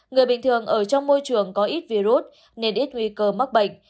người bình thường ở trong môi trường có ít virus nên ít nguy cơ mắc bệnh